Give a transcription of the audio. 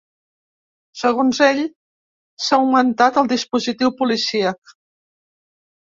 Segons ell, s’ha augmentat el dispositiu policíac.